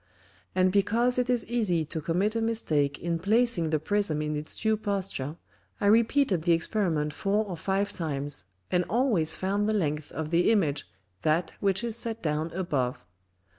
And because it is easy to commit a Mistake in placing the Prism in its due Posture, I repeated the Experiment four or five Times, and always found the Length of the Image that which is set down above.